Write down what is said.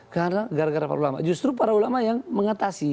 karena gara gara para ulama justru para ulama yang mengatasi